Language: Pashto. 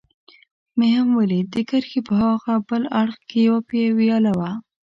مې هم ولید، د کرښې په هاغه بل اړخ کې یوه ویاله وه.